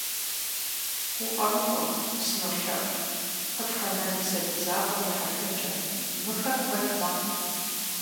- УкъэмыкӀуэ, сынолъэӀу, къытхуэна ди сабий закъуэм и хьэтыркӀэ, мыхэр куэд мэхъу.